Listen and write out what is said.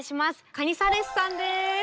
カニサレスさんです。